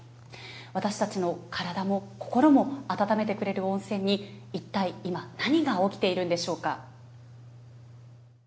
私たちの体も心も温めてくれる温泉に、一体今、何が起きているんでしょうか。